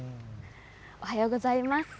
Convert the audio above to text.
おはようございます。